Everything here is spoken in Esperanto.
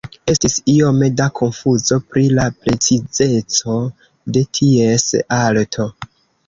Estis iome da konfuzo pri la precizeco de ties alto.